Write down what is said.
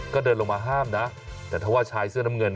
ก็เดินลงมาห้ามนะแต่ถ้าว่าชายเสื้อน้ำเงิน